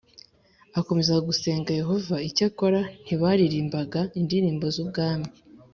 akomeze gusenga Yehova Icyakora ntibaririmbaga indirimbo z Ubwami